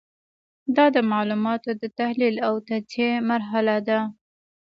دا د معلوماتو د تحلیل او تجزیې مرحله ده.